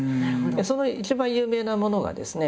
その一番有名なものがですね